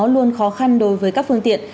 luôn khó khăn đối với các phương tiện